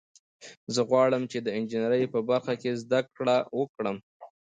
زه غواړم چې د انجینرۍ په برخه کې زده کړه وکړم